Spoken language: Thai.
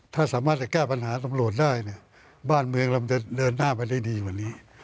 ถ้าสามารถจะแก้ปัญหาตำรวจได้